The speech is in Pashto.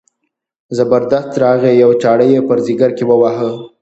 زبردست راغی یوه چاړه یې په ځګر کې وواهه.